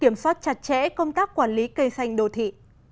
kiểm soát chặt chẽ công tác quản lý cây xanh đô thị